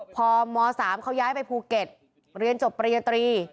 พอม๓เขาย้ายไปภูเก็ตเรียนจบปริญญาตรี